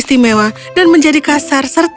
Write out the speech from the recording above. alen akan berkencan dan melihat sepeda terbang itu